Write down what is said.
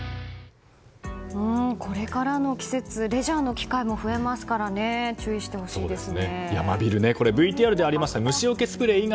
これからの季節レジャーの機会も増えますから注意してほしいですね。